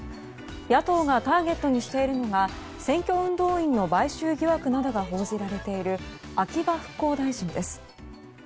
野党がターゲットにしているのが選挙運動員の買収疑惑などが報じられている秋葉復興大臣です。